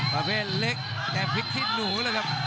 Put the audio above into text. ประเภทเล็กแต่พริกขี้หนูเลยครับ